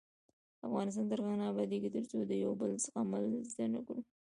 افغانستان تر هغو نه ابادیږي، ترڅو د یو بل زغمل زده نکړو.